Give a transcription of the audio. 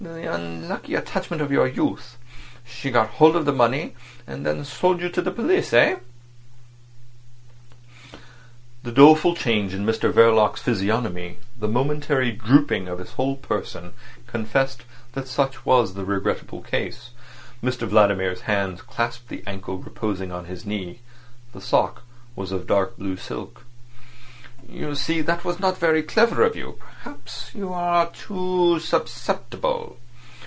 The unlucky attachment—of your youth. She got hold of the money, and then sold you to the police—eh?" The doleful change in Mr Verloc's physiognomy, the momentary drooping of his whole person, confessed that such was the regrettable case. Mr Vladimir's hand clasped the ankle reposing on his knee. The sock was of dark blue silk. "You see, that was not very clever of you. Perhaps you are too susceptible."